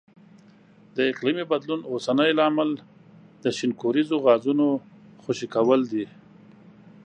د اقلیمي بدلون اوسنی لامل د شینکوریزو غازونو خوشې کول دي.